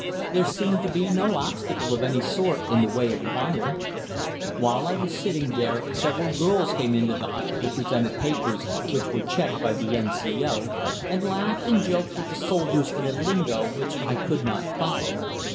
There seemed to be no obstacle of any sort in the way of wire. While I was sitting there several girls came into the hut who presented papers, which were checked by the N.C.O., and laughed and joked with the soldiers in a lingo which I could not follow.